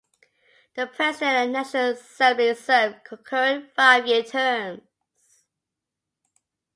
The President and the National Assembly serve concurrent five-year terms.